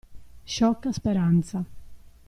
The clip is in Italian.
Sciocca speranza.